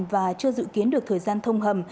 và chưa dự kiến được thời gian thông hầm